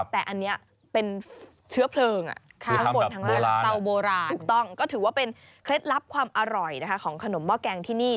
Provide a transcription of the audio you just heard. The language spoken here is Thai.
แต่อันนี้เป็นเชื้อเพลิงข้างบนทั้งล่างเตาโบราณถูกต้องก็ถือว่าเป็นเคล็ดลับความอร่อยของขนมหม้อแกงที่นี่